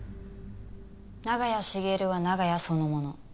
長屋茂は長屋そのもの。